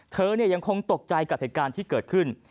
เธอยังคงตกใจกับเหตุการณ์ที่เกิดขึ้น